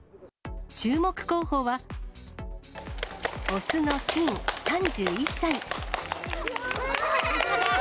注目候補は、雄のキン３１歳。